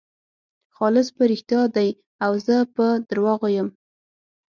خالص په رښتیا دی او زه په درواغو یم.